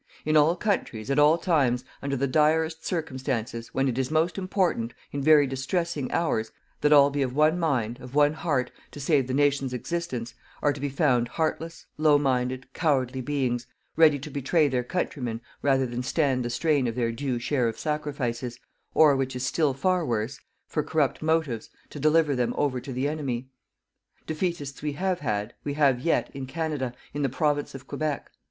In all countries, at all times, under the direst circumstances, when it is most important, in very distressing hours, that all be of one mind, of one heart, to save the nation's existence, are to be found heartless, low minded, cowardly beings, ready to betray their countrymen rather than stand the strain of their due share of sacrifices, or, which is still far worse, for corrupt motives, to deliver them over to the enemy. "Defeatists" we have had, we have yet, in Canada, in the Province of Quebec.